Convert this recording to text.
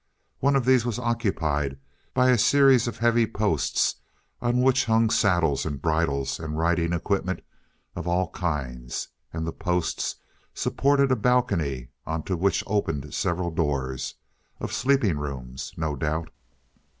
One of these was occupied by a series of heavy posts on which hung saddles and bridles and riding equipment of all kinds, and the posts supported a balcony onto which opened several doors of sleeping rooms, no doubt.